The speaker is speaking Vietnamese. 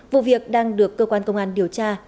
vụ việc đang được cơ quan công an điều tra